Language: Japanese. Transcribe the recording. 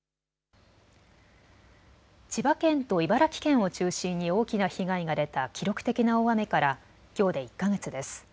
千葉県と茨城県を中心に大きな被害が出た記録的な大雨からきょうで１か月です。